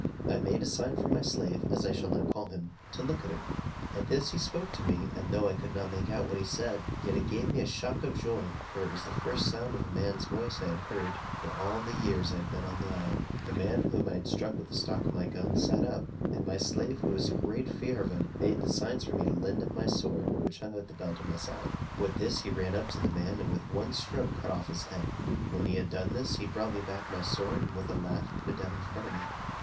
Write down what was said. I made a sign for my slave (as I shall now call him) to look at him. At this he spoke to me, and though I could not make out what he said, yet it gave me a shock of joy; for it was the first sound of a man's voice that I had heard, for all the years I had been on the isle. The man whom I had struck with the stock of my gun, sat up; and my slave, who was in great fear of him, made signs for me to lend him my sword, which hung in a belt at my side. With this he ran up to the man, and with one stroke cut off his head. When he had done this, he brought me back my sword with a laugh, and put it down in front of me.